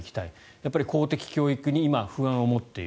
やっぱり公的教育に今、不安を持っている。